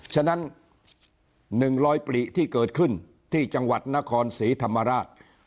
ฉะนั้น๑๐๐ปลีที่เกิดขึ้นที่จังหวัดนครศรีธรรมราช